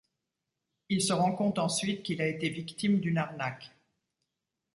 Il se rend compte ensuite qu'il a été victime d'une arnaque.